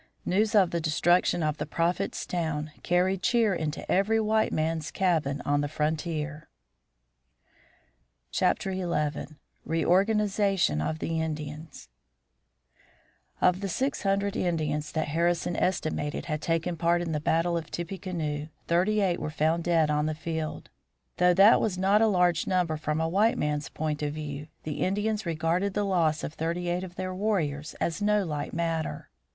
News of the destruction of the Prophet's town carried cheer into every white man's cabin on the frontier. XI. REORGANIZATION OF THE INDIANS Of the six hundred Indians that Harrison estimated had taken part in the battle of Tippecanoe, thirty eight were found dead on the field. Though that was not a large number from a white man's point of view, the Indians regarded the loss of thirty eight of their warriors as no light matter.